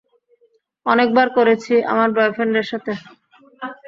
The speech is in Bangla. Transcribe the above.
অনেকবার করেছি, আমার বয়ফ্রেন্ডের সাথে।